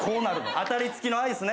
当たり付きのアイスね。